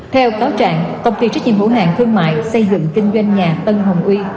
theo cáo trạng công ty trách nhiệm hữu hạng thương mại xây dựng kinh doanh nhà tân hồng uy